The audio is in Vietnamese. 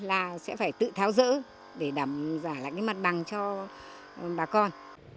là sẽ phải tự tháo rỡ để đảm giả lại mặt bằng cho bà con